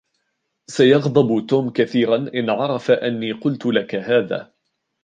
سيغضب توم كثيرًا إن عرف أنّي قلتُ لكَ هذا.